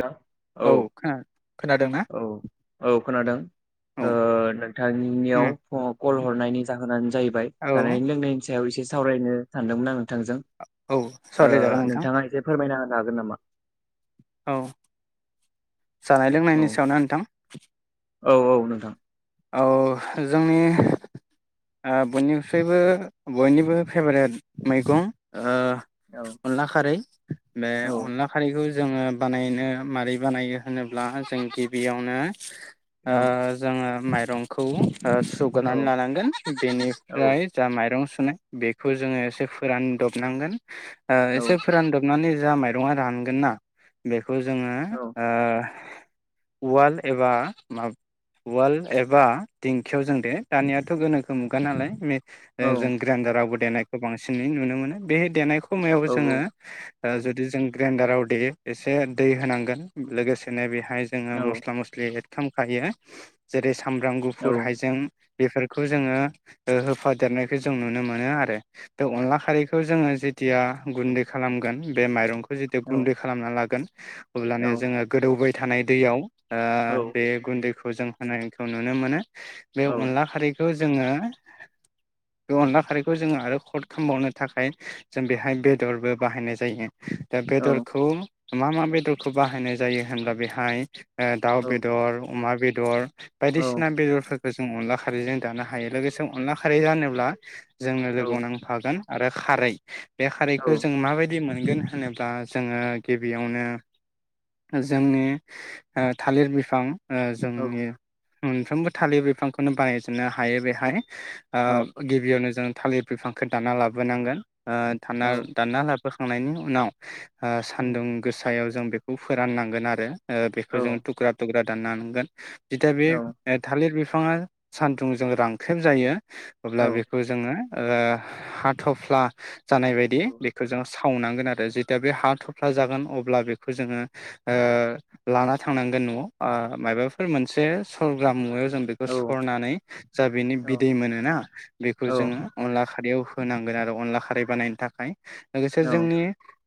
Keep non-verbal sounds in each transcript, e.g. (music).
नोंथां औ। खोना खोनादोंना औ औ। खोनादों। औ ओ नोंथांनियाव उम कल हरनायनि जाहोनानो जाहैबाय औ जानायनि लोंनायनि सायाव एसे सावरायनो सानदोंमोन आङो नोंथांजों औ ओ सावरायजागोन नोंथां नोंथाङा एसे फोरमायना होनो जागोन नामा। औ। जानाय लोंनायनि औ सायावना नोंथां। औ औ नोंथां औ जोंनि ओ बयनिफायबो बयनिबो फेभरेट मैगं ओ औ अनला खारै। बे औ अनला खारैखौ। जोङो बानायनो मारैै बानायो होनोब्ला जों गिबियावनो। ओ जोङो। माइरंखौ। ओ सुगारनानै लानांगोन औ बेनिफ्राय जा माइरं सु (unintelligible) बेखौ जोङो एसे फोरानदबनांगोन। ओ औ एसे फोरानदबनानै। जा माइरंङा रानगोन ना बे खौ जोंङो ओ उवाल एबा माब उवाल एबा दिंखियाव जों दे दानियाथ गोनोखो मुगा नालाय मे ओ जों ग्रेडारावबो देनायखौ बांसिनै नुनो मोनो बे देनायखौ खमायावबो औ जोंङो ओ जुदि जों ग्रेन्डाराव देयो एसे दै होनांगोन लोगोसेनो बे फाय जोंङो मस्ला मस्लि थामखायो। जेरै सामब्राम गुफुर हाइजें बेफोरखौ जोंङो ओ होफादेरनायखौ जों नुनो मोनो आरो बे अनला खारैखौ जोंङो जेथिया गुन्दै खालामगोन बे माइरंखौ जिथु औ गुन्दै खालामना लागोन अब्लानिआ जोंङो गोदौै बै थानाय दैयाव ओ बे गुन्दै खौ जों होनाय खौ नुनो मोनो। बेव अनला खारैखौ जोंङो बे अनला खारैखौ जोंङो आरो खद खमबावनो थाखाय जों बेहाय बेदरबो बाहायनाय जायो। दा बेदरखौ मा मा बेदरखौ बाहायनाय जायो होनब्ला बेहाय ओ दाउ बेदर अमा बे दर बायदिसिना बेेजरफोर खो जों अनला खारैजों दानो हायो लोगोसे अनला खारै जानोब्ला औ जोंनो औ लोगोआव नांफागोन आरो खारै बे खारैखो जों माबायदि मो गोन होनोब्ला जोंङो गिबियावनो ओ जोंनि ओ थालिर बिफां ओ जोंनि मोनफ्रोमबो थालिर बिफांखोनो बानायजोननो हायो बेहाय ओ गिबियावनो जों थालिर बिफांखौ दाना लाबोनांगोन। ओ थानना दानना ला बोखांनायनि उनाव ओ सान्दुं गोसायाव जों बेखौ फोराननांगोन आरो। ओ बेखौ जों थुख्रा थुग्रा दाननांगोन। जेथिया बे ओ थालिर बि फाङा सानथुंजों रांख्रेब जायो। अब्ला बेखौ जोङो। ओ हाथफ्ला। जानाय बायदि औ बेखौ जोङो सावनांगोन आरो जेथिया बे हाथफ्ला जागोन अब्ला बेखौ जोङो ओ लाना थांनांगोन नआव ओ मायबाफोर मोन से सरग्रा मुवा जों बेखौ औ औ सरनानै जा बिनि औ बिदै मोनोना औ बेखौ जोङो अनला खारैयाव होनांगोन आरो अनला खारै बानायनो थाखाय। लोगोसे औ जोंनि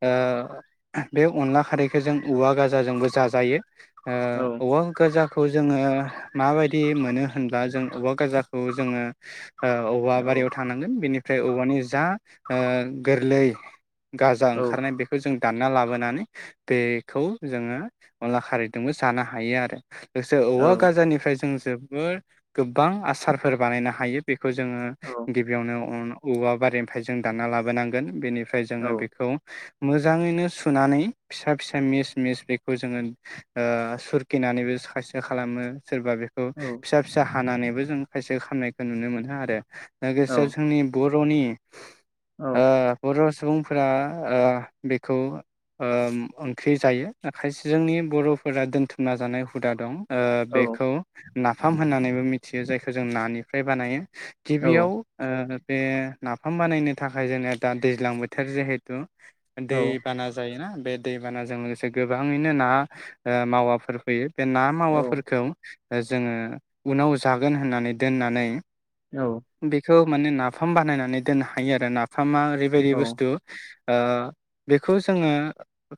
ओ बे अनला खारैखो जों औवा गाजाजोंबो जाजायो। ओ औ औवा गाजा जोङो मा बायदि मोनो होनब्ला जों औवा गाजाखौ जोङो ओ औवा बारियाव थांनांगोन बेनि फ्राय औवानि जा ओ गोरलै गाजा औ ओंखारनाय बेखौ जों दानना लाबोनानै बेखौ जोङो अनला खारैजोंबो जानो हायो आरो। लोगोसे औ औवा गाजानिफ्राय जों जोबोर गोबां आसारफोर बानायनो हायो बे खौ जोङो गिबियावनो औवा बारिनिफ्राय जों दानना लाबोनांगोन बेनि फ्राइ औ जोङो बेखौ मोजाङैनो सुनानै फिसा फिसा मिस मिस बेखौ जोङो ओ सुरखिनानैबो (unintelligible) खालामो। सोरबा बेखौ फिसा फिसा हानानैबो जों खायसे खामनायखौ नुनो मोनो आरो। लोगोसे जोंनि बहुत रनि औ ओ रस सुबुंफोरा ओ उम बेखौ ओंख्रि जायो खायसे जोंनि बरफोरा दोनथुमना जानाय हुदा दं। ओ औ औ बेखौ नाफाम होननानैबो मिथियो जायखौ जों नानिफ्राय बानायो। गिबियाव ओ बे नाफाम बानायनो थाखाय जेने दा दैज्लां बोथोर जिहेथु दै बाना जायोना बे दैबानाजों लोगोसे गोबांङैनो ना मावाफोर फैयो बे ना मावाफोरखौ जोंङो उनाव जागोन होननानै दोननानै बेखौ माने नाफाम बानायनानै दोननो हायो आरो नाफा फामा ओरैबायदि बुस्थु ओ बेखौ जोंङो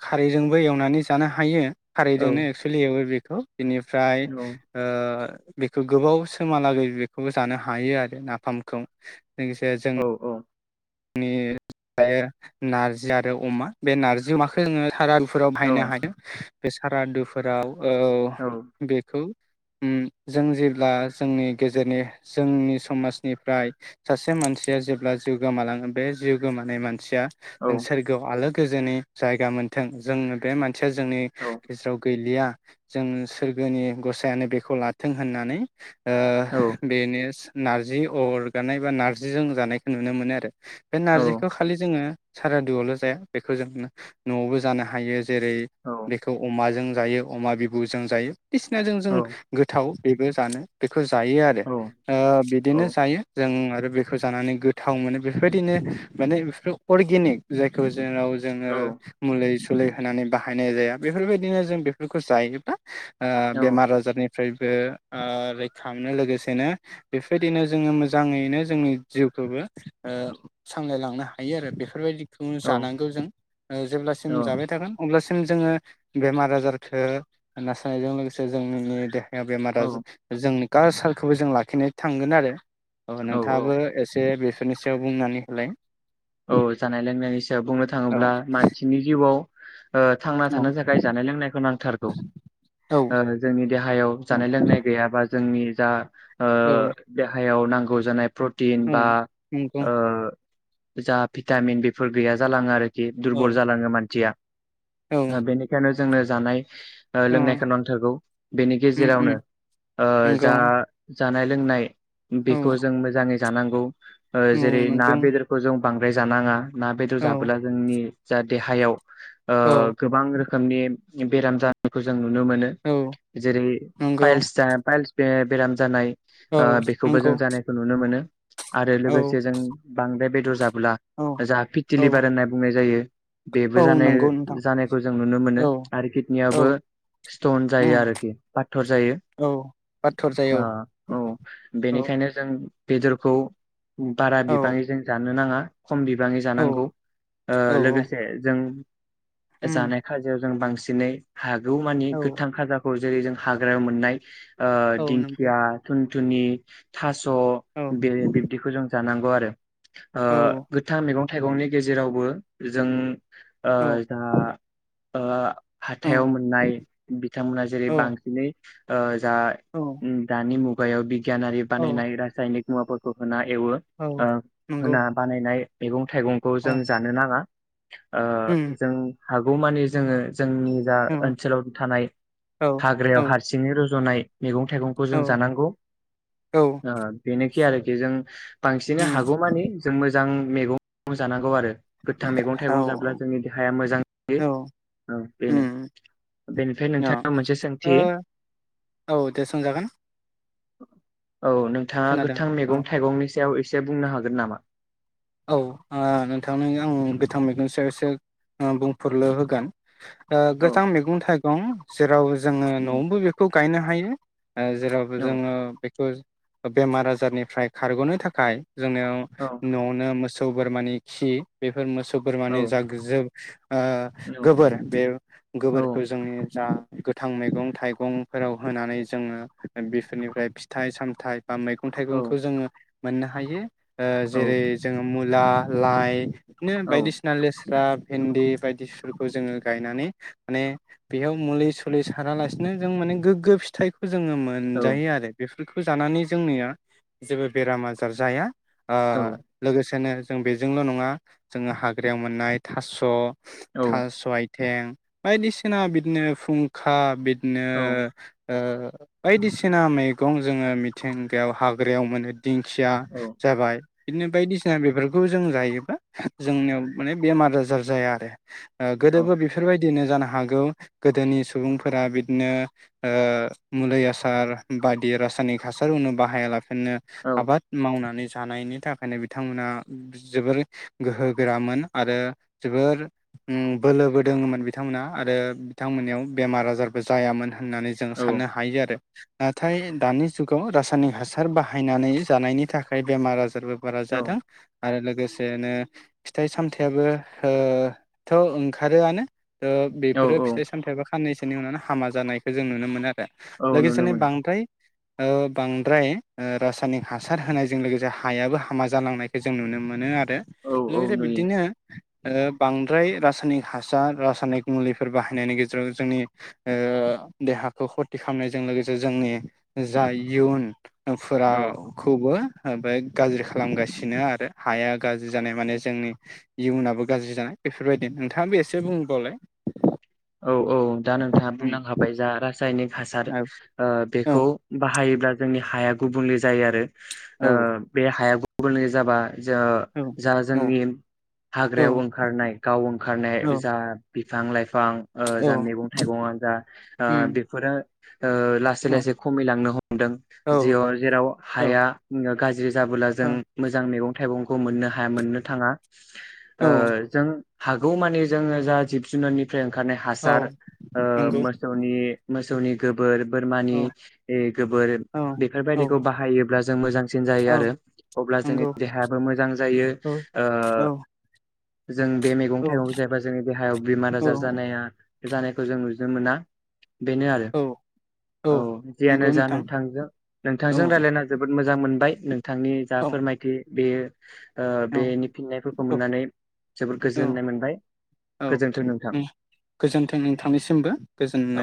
खारैजोंबो एवनानै जानो हायो। खारैजोंनो एक्सलि एवो थ बेनिफ्राय बेखौ गोबाव सोमहालागै बेखौबो जानो हायो आरो नाफामखौ। लोगोसे जों नि जायो नारजि आरो अमा बे नारजि अमाखौ (unintelligible) फोराव बायनो हादों। बे सारादुफोराव औ बेखौ उम जों जेब्ला जोंनि गेजेरनि जोंनि समाजनिफ्राय सासे मानसिया जेब्ला जिउ गोमालां बे जिउ गोमानाय मान सिया सोरगोयाव आलो गोजोननि जायगा मोनथों जोंनो बे मान थिया जोंनि गेजेराव गैलिया जों सोरगोनि गसायानो बेखौ लाथों होननानै ओ बेनोस नार्जि अर गारनाय बा नार्जि जों जानायखौ नुनो मोनो आरो। बे औ नारजिखौ औ खालि जोंङो सारादुआवल जाया बेखौ जों नआवबो जानो हायो। जेरै बेखौ अमाजों। जायो अमा बिबुजों जायो। दिसिनाजों जों गोथाव। बेबो जानो। खो जायो आरो ओ बिदिनो जायो जों। (unintelligible) बेखौ जानानै गोथाव मोनो। बेफोर बायदिनो माने बेफोर अर्गेनिक जायखौ। जेराव जोङो मुलि लै होनानै बाहायनाय जाया बेफोरबायदिनो जों बेफोरखौ जायोबा। आ बेमार आजारनि। फ्रायबो आ रैखा मोननो लोगोसेनो बेफोरदिनो जोङो मोजाङैनो जोंनि जिउखौबो। ओ सामलायलांनो हायो आरो बेफोरबायदि। थों जानांगौ जों ओ जेब्लासिम जाबाय थागोन अब्लासिम। जोङो बेमार आजारखौ नासानायजों लोगोसे जोंनि दे बेमारा जो जोंनि। खालसालखौबो जों लाखिनो थांगोन आरो। औ नोंथाङाबो एसे बे। बेनि सायाव बुंनानै होलाय। औ जानाय लोंनाय सिम। थायाव बुंनो औ थाङोब्ला मानसिनि जिउआव। ओ थांना औ थानो थाखाय जानाय लोंनायखौ नां। थारगौ औ आरो जोंनि देहायाव जानाय लोंनाय गैयाबा जोंनि जा ओ औ देहा हायाव नांगौ जानाय प्रटिन बा औ नंगौ ओ जा भिटामिन बेफोर गैया जालाङो आरो। औ दुरबल जालाङो मानथिया। औ आ बेनिखायनो जोंनो जानाय ओ औ लोंनायखौ नांथारगौ बेनि उम उम गेजेरावनो ओ नंगौ जा जानाय लोंनाय औ बेखौ जों मोजांङै जानांगौ ओ जेरै ना नंगौ बेदर बांद्राय जानांङा ना बेदर औ जाबोला जोंनि जा देहायाव ओ औ गोबां रोखोमनि बेराम जानायखौ जों नु नुनो मोनो औ जेरै नंगौ पाइलस जा पाइलस बे बेराम जानाय औ ओ बेखौबो नंगौ जों जानायखौ नुनो मोनो। आरो औ लोगोसे जों बांद्राय बेदर जा ब्ला औ जा औ फिटिलिभार होनना बुंनाय जायो बेबो औ जानाय नंगौ नोंथां जानायखौ जों नुनो मोनो। औ आरो औ किडनियावबो स्टन जायो उम आरोखि पाथर जायो। औ बाथर आ जायो औ औ बेनिखायनो जों बेदरखौ बारा औ बिबांङै जों नो नांङा खम बिबाङै औ जानांगौ ओ औ लोगोसे जों उम जानाय खाजायाव जों बांसि सिनै हा गौ मानि औ गोथां खाजाखौ जेरै जों हाग्रायाव मोननाय ओ औ नंगौ दिंखिया थुनि, थास औ स'बिन बिबदिखौ जों जानां गौ आरो। ओ औ गोथां मैगं थाइगंनि गेजेरावबो जों ओ औ जोंहा ओ हाथायाव मोननाय बिथांमोना जेरै औ बांसिनै ओ दा औ दानि मु गायाव गियानारि औ बानायनाय रासायनिक मुवा फोरखौ होना एवो औ ओ नंगौ होना बानायनाय मेगं थाइगंखौ औ जों जानो नाङा। ओ उम जों हागौमानि जोङो जोंनि जा औ ओनसोलाव थानाय औ हाग्रायाव हारसिङै र जनाय मैगं थाइगंखौ औ जों जानांगौ। औ ओ बेनो खि आरोखि जों बांसिनै हा उम मानि जों मोजां मैगं जानांगौ आरो। गोथां मैगं थाइगं औ जाब्ला जोंनि देहाया मोजां जायो। औ ओ बेनो। उम बेनिफ्राय अ नोंथां नाव मोनसे सोंथि ओ औ दे सोंजागोन (unintelligible) औ नोंथाङा खोनादों गोथां औ मैगं थाइगंनि सायाव एसे बुंनो हागोन हागोन नामा? औ ओ‌ नोंथांनि आं बिथां मैगुन सायाव एसे बुंफोरलु होगोन। ओ औ गोथां मैगं थाइ दं जेराव जोङो उम नआवबो बेखौ गायनो हायो। ओ जेराव औ जोङो बेखौ बेमार आजारनिफ्राय खारगनो थाखाय जोंनियाव औ न मोसौ बोरमानि खि बेफोर मोसौ औ बोरमानि जाग जोब ओ औ गोबोर बे औ गोबोरखौ जोंनि जा गोथां मैगं थाइगंफोराव होनानै जोंङो बेफोरनिफ्राय फिथाइ सामथाइ ओ मैगं औ थाइगंखौ जोंङो मोननो हायो। ओ औ जेरै मुला लाय बिदिनो‌ औ बायदिसिना लेस स्रा भेन्दि बायदिफोरखौ जोंङो गायनानै माने बेयाव मुलि सुलि सारालासिनो जों माने गोग्गो फिथाइ जोंङो औ मोनजायो आरो बे फोरखौ जानानै जोंनिया जेबो बेराम आजार जाया आ गोसेनो जों बेजोंल नंङा जोंङो हाग्रायाव मोननाय थास' औ थास' आइ थें बायदिसिना बिदिनो फुंखा बि नो ओ बायदिसिना मैगं जोंङो मिथिंगायाव हाग्रायाव मोनो दिंखिया औ जाबाय बिदनो बायदिसिना बेफोरखौ जों जायोबा जोंनियाव माने बेमार आजार जाया आरो ओ औ गोदोबो बेफोरबाय दिनो जानो हागौ गोदोनि सुबुंफोरा बिदिनो ओ मुलि आसार बायदि रासायनिक हासार होननो बाहाया ला होननो औ आबाद मावनानै जानायनि थाखायनो थांमोना जोबोरै गोहो गोरामोन आरो जोबोर उम बोलोबो दोंङोमोन बिथांमोनहा आरो बिथांमोननियाव बेमार आजारबो जायामोन होननानै जों औ साननो हायो आरो। नाथाय दानि जुगाव रासायनिक हासार बाहायनानै जानायनि थाखाय बेमार आजारबो बार औ जादों आरो लो गोसेनो फिथाइ सामथायाबो ओह थ ओंखारोआनो ओ औ बेफोरो औ फिथाइ सामथाइ बा साननैसोनि उनावनो हामा जानायखौ जों नुनो मोनो आ रो औ नुनो लोगोसेनो मोनो बांद्राय ओ बांद्राय रासायनिक हासार होनायजों लोगोसे हायाबो हामा जालांनायखौ जों नुनो मोनो आरो दो औ औ लोगोसे नुयो बिब्दिनो ओ बांद्राय रासायनिक हासार रासायनिक मुलिफोर बाहायनायनि गेजेराव जोंनि ओ देहाखौ खथि खामनायजों लोगोसे जोंनि जा इयुन औ फोराखौबो ओमफ्राय गाज्रि खालामगासिनो आरो हाया गाज्रि जानाय माने जोंनि इयुनाबो गाज्रि जानाय बेफोरबायदि नोंथाङा बे एसे बुंबावलाय। औ औ दा नोंथाङा बुंलांखाबाय जा रा सायनिक हासार औ ओ बेखौ औ बाहायोब्ला जोंनि हाया गुबुंले जायो आरो। ओ बे हाया गु (unintelligible) जाबाय। जा औ जा जोंनि हाग्रायाव ओंखारनाय गाव ओंखारनाय औ जा बिफां लाइफां ओ जा औ मैगं थाइगंआनो जा ओ उम बेफोरो ओ लासै औ लासै खमिलांनो हमदों औ जियाव जेराव औ हाया गाज्रि जाबोला जों औ मोजां मैगं थाइगंखौ मोननो हाया मोननो थाङा। ओ औ जों हागौ मानि जोङो जा जिब जुनारनिफ्राय ओंखारनाय औ हासार ओ नंगौ मोसौनि मोसौनि गोबोर बोरमानि औ इह गोबोर औ औ बेफोरबायदिखौ बाहायोब्ला जों मोजां सिन जायो औ आरो अब्ला जोंनि नंगौ देहायाबो मोजां जायो औ ओ औ जों बे मैगं औ थाइगंखौ जायोबा जोंनि देहायाव बिमार औ आजार जानाया जानायखौ जों नु नो मोना। बेनो आरो औ औ नंगौ जियानो जा नोंथां नोंथांजों औ नोंथांजों रायलायना जोबोद मोजां मोनबाय। बिथांनि जा औ फोरमायथि। बेयो ओ बेनि फिननायफोरखौ औ मोननानै जोबोर औ गोजोननाय मोनबाय औ गोजोन्थों नोंथां। गोजोन्थों नोंथांनिसिमबो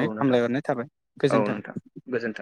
औ नोंथां हामलायहरनाय थाबाय औ गोजोन्थों। नोंथां गोजोन्थों।